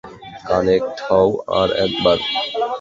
Connect হও, আর একবার।